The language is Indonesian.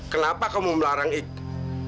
kenapa kamu melarang iksan